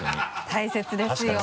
大切ですよ。